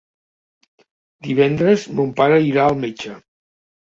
Divendres mon pare irà al metge.